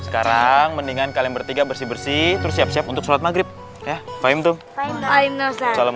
huang mendingan kalian bertiga bersih bersih tur siap siap untuk shalat maghrib ya payun terbaik